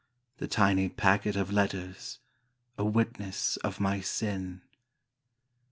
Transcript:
The tiny packet of letters, a witness of my sin.